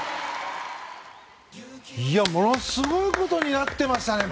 ものすごいことになっていましたね。